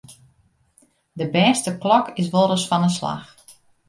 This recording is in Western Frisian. De bêste klok is wolris fan 'e slach.